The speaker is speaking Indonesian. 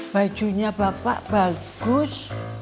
bajunya bapak bagus